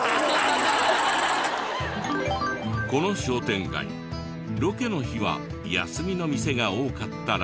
この商店街ロケの日は休みの店が多かったらしく。